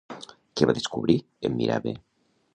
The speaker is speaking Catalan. Què va descobrir, en mirar bé?